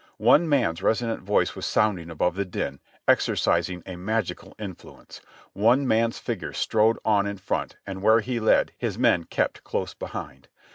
One man's resonant voice was sounding above the din, exercising a magical influence ; one man's figure strode on in front and where he led, his men kept close behind.